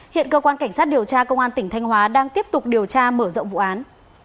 hiện cơ quan cảnh sát điều tra công an tỉnh thanh hóa đang tiếp tục điều tra mở rộng vụ án